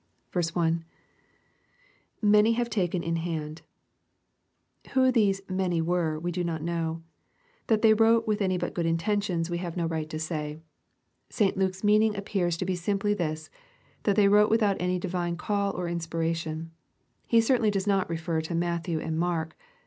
I. — [Many A^ vc taken in Tiand.] Who these " many " were, we do not know That they wrote with any but good intentions we 6 EXPOSITORY THOUGHTS. iaye no right to saj. St Lake's meaning appears to be nmplj' this, that they wrote without any divine call or inspiration, ae certainly does not refer to Matthew and Mark.